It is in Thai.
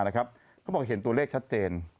เขาบอกเห็นตัวเลขชัดเจน